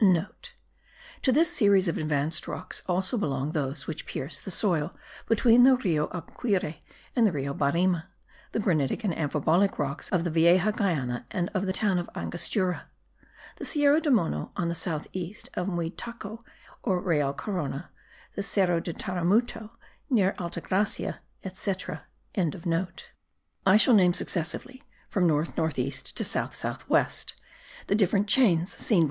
*(* To this series of advanced rocks also belong those which pierce the soil between the Rio Aquire and the Rio Barima; the granitic and amphibolic rocks of the Vieja Guayana and of the town of Angostura; the Cerro de Mono on the south east of Muitaco or Real Corono; the Cerro of Taramuto near the Alta Gracia, etc.) I shall name successively, from north north east to south south west, the different chains seen by M.